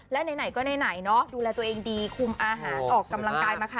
และไหนก็ไหนเนาะดูแลตัวเองดีคุมอาหารออกกำลังกายมาค่ะ